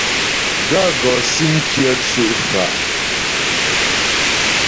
Gaə̂ gɔ́ síŋ kyə tsʉ́' fá'.